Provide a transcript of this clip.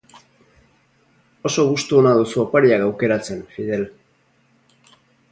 Oso gustu ona duzu opariak aukeratzen, Fidel.